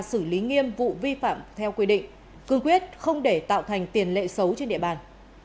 xử lý nghiêm vụ vi phạm theo quy định cương quyết không để tạo thành tiền lệ xấu trên địa bàn